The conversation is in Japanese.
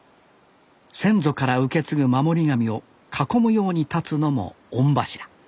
先祖から受け継ぐ守り神を囲むようにたつのも御柱。